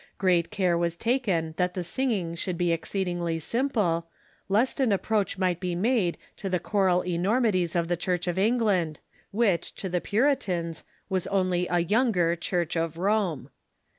Great care was taken that the singing should be exceedingly simple, lest an approach might be made to the choral enormities of the Church of England, which to the Puri tans was only a younger Church of Rome.